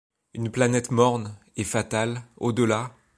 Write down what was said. Une planète morne, et fatale, au delà